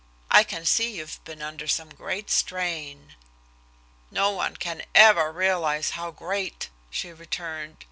I can see you've been under some great strain." "No one can ever realize how great," she returned.